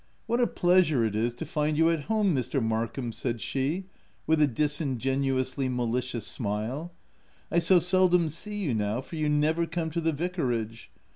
" What a pleasure it is to find you at home, Mr. Markham I 99 said she, with a disingenu ously malicious smile. u I so seldom see you now, for you never come to the vicarage.